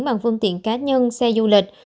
bằng phương tiện cá nhân xe du lịch